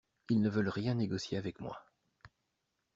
Ils ne veulent rien négocier avec moi.